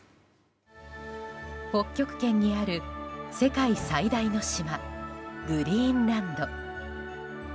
北極圏にある世界最大の島グリーンランド。